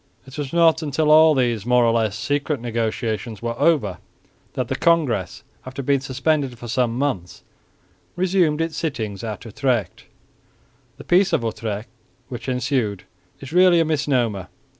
It was not until all these more or less secret negotiations were over that the Congress, after being suspended for some months, resumed its sittings at Utrecht. The Peace of Utrecht which ensued is really a misnomer.